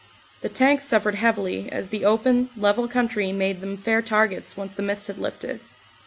The tanks suffered heavily, as the open, level coun try made them fair targets once the mist had lifted.